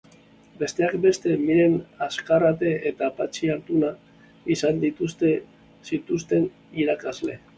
Besteak beste Miren Azkarate eta Patxi Altuna izan zituen irakasle.